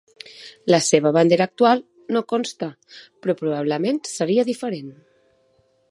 La seva bandera actual no consta però probablement seria diferent.